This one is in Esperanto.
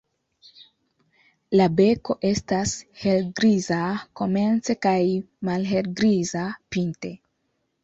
La beko estas helgriza komence kaj malhelgriza pinte.